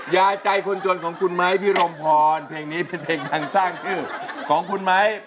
ยาใจคนจนของคุณไม้พิรมพรเพลงนี้เป็นเพลงการสร้างชื่อของคุณไม้